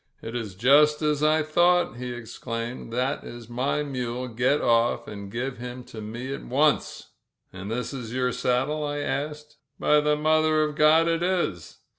"It is just as I thought," he exclaimed. "That is my mule ! Get off and give him to me at once !" "And is this your saddle?*' I asked. "By the Mother of God, it is!"